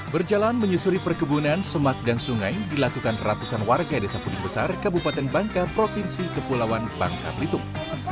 berjalan menyusuri perkebunan semak dan sungai dilakukan ratusan warga desa puding besar kabupaten bangka provinsi kepulauan bangka belitung